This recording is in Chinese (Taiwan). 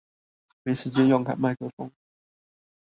沒時間弄麥克風